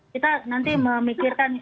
kita nanti memikirkan